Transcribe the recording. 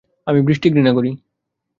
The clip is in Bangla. আমি বৃষ্টি ঘৃণা করি।